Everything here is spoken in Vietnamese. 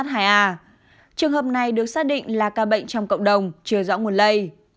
trường hợp này được xác định là ca bệnh trong cộng đồng chưa rõ nguồn lây